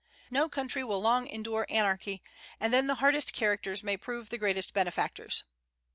No country will long endure anarchy; and then the hardest characters may prove the greatest benefactors.